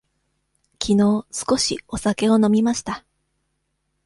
きのう少しお酒を飲みました。